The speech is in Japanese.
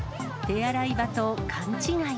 手洗い場と勘違い。